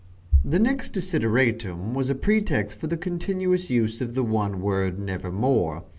The next desideratum was a pretext for the continuous use of the one word "nevermore."